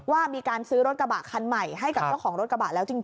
ว่ามีการซื้อรถกระบะคันใหม่ให้กับเจ้าของรถกระบะแล้วจริง